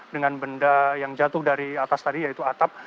dengan benda yang jatuh dari atas tadi yaitu atap